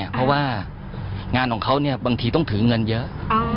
เพราะว่างานของเขาบางทีต้องถือเงินเยอะ